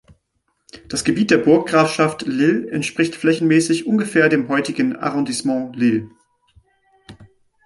Das Gebiet der Burggrafschaft Lille entspricht flächenmäßig ungefähr dem heutigen "Arrondissement Lille".